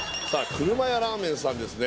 くるまやラーメンさんですね